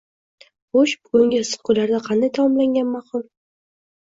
Xoʻsh, bugungi issiq kunlarda qanday taomlangan maʼqul?